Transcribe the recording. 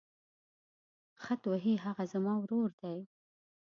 خط وهي هغه زما ورور دی.